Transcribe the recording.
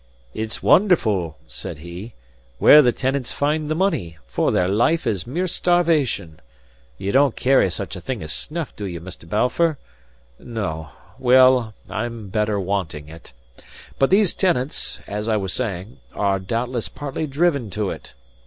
"It's wonderful," said he, "where the tenants find the money, for their life is mere starvation. (Ye don't carry such a thing as snuff, do ye, Mr. Balfour? No. Well, I'm better wanting it.) But these tenants (as I was saying) are doubtless partly driven to it.